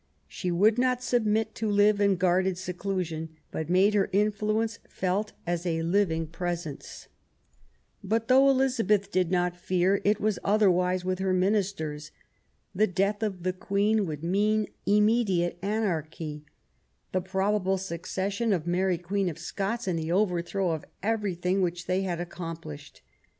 She would not submit to live in guarded seclusion, but made her influence felt as a living presence. But though Elizabeth did not fear, it was other wise with her ministers. The death of the Queen meant immediate anarchy, the probable accession of Mary Queen of Scots, and the overthrow of everything which they had accomplished.